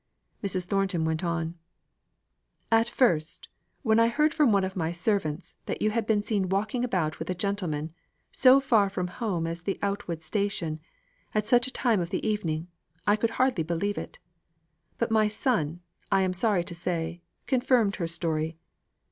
Mrs. Thornton went on: "At first, when I heard from one of my servants, that you had been seen walking about with a gentleman, so far from home as the Outwood station, at such a time of the evening, I could hardly believe it. But my son, I am sorry to say, confirmed her story.